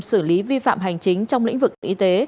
xử lý vi phạm hành chính trong lĩnh vực y tế